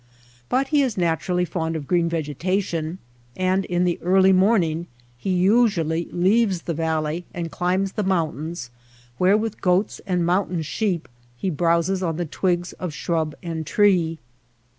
But he is nat urally fond of green vegetation, and in the early morning he usually leaves the valley and climbs the mountains where with goats and mountain sheep be browses on the twigs of shrub and tree.